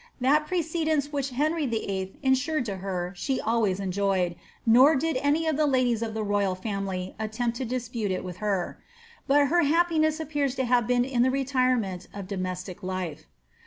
That precedence which [enry VIII. insured to her she always enjoyed, nor did any of the ladies ( the royal family attempt to dispute it with her. But her happiness ppears to have been in the retirement of domestic life.